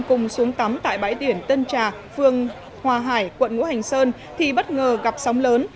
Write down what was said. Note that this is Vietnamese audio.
cùng xuống tắm tại bãi biển tân trà phương hòa hải quận ngũ hành sơn thì bất ngờ gặp sóng lớn